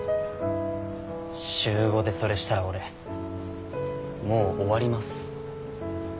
週５でそれしたら俺もう終わります。